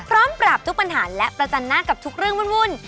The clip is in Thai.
ปราบทุกปัญหาและประจันหน้ากับทุกเรื่องวุ่น